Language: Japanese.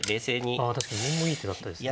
あ確かに銀もいい手だったですね。